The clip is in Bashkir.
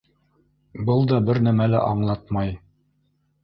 Был да бер нәмә лә аңлатмай.